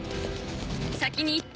先に行って。